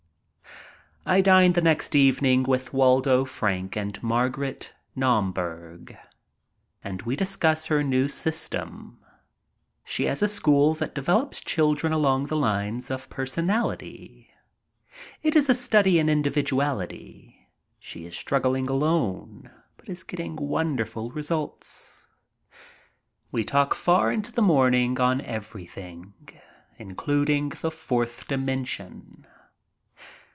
I dine the next evening with Waldo Frank and Mar guerite Naumberg and we discuss her new system. She has a school that develops children along the lines of personality. It is a study in individuality. She is struggling alone, but is getting wonderful results. We talk far into the morn ing on everything, including the fourth dimension.